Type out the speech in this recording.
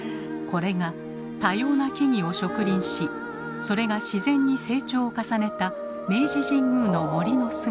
これが多様な木々を植林しそれが自然に成長を重ねた明治神宮の森の姿。